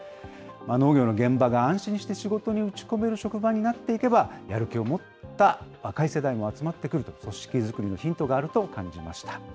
農業の現場が安心して仕事に打ち込める職場になっていけば、やる気を持った若い世代も集まってくると、組織づくりのヒントがあると感じました。